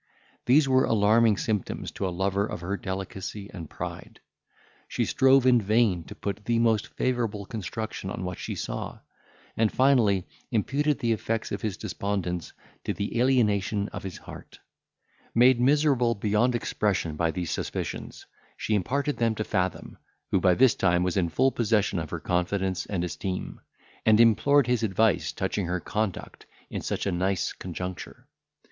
These were alarming symptoms to a lover of her delicacy and pride. She strove in vain to put the most favourable construction on what she saw; and, finally, imputed the effects of his despondence to the alienation of his heart. Made miserable beyond expression by these suspicions, she imparted them to Fathom, who, by this time, was in full possession of her confidence and esteem, and implored his advice touching her conduct in such a nice conjuncture.